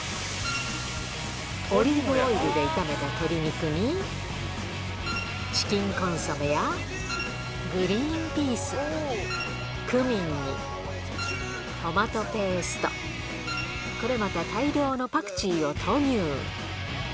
オリーブオイルで炒めた鶏肉に、チキンコンソメやグリーンピース、クミンに、トマトペースト、これまた大量のパクチーを投入。